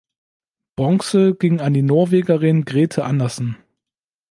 Bronze ging an die Norwegerin Grete Andersen.